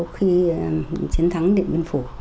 khi chiến thắng địa nguyên phủ